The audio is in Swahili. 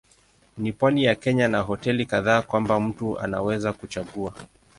Ni pwani ya Kenya na hoteli kadhaa kwamba mtu anaweza kuchagua.